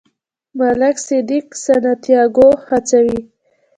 ملک صادق سانتیاګو هڅوي.